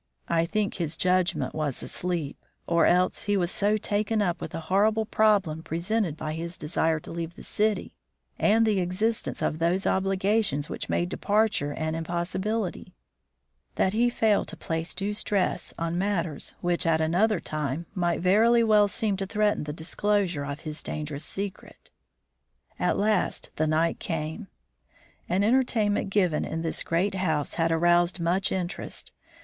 I think his judgment was asleep, or else he was so taken up with the horrible problem presented by his desire to leave the city and the existence of those obligations which made departure an impossibility, that he failed to place due stress on matters which, at another time, might very well seem to threaten the disclosure of his dangerous secret. At last the night came. An entertainment given in this great house had aroused much interest.